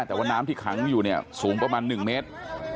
แต่ว่าน้ำที่ขังอยู่เนี่ยสูงประมาณ๑เมตร